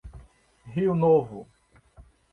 Rio Novo